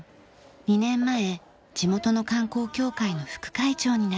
２年前地元の観光協会の副会長になりました。